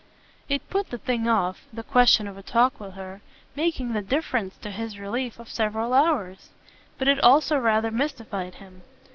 It put the thing off, the question of a talk with her making the difference, to his relief, of several hours; but it also rather mystified him.